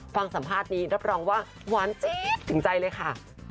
ฟังสัมภาษณ์นี้รับรองว่าหวานจี๊ดถึงใจเลยค่ะ